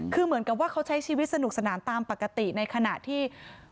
คือเหมือนกับว่าเขาใช้ชีวิตสนุกสนานตามปกติในขณะที่